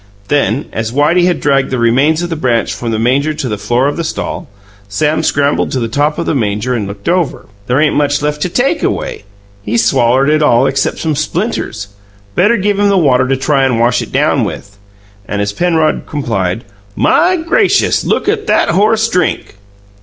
Then, as Whitey had dragged the remains of the branch from the manger to the floor of the stall, Sam scrambled to the top of the manger and looked over. "There ain't much left to TAKE away! He's swallered it all except some splinters. Better give him the water to try and wash it down with." And, as Penrod complied, "My gracious, look at that horse DRINK!"